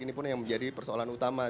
ini pun yang menjadi persoalan utama